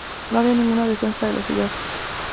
No había ninguna defensa de la ciudad.